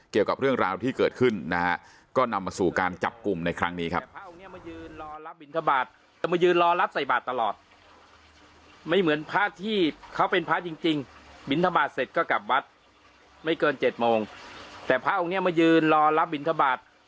เกี่ยวกับเรื่องราวที่เกิดขึ้นนะฮะก็นำมาสู่การจับกลุ่มในครั้งนี้ครับ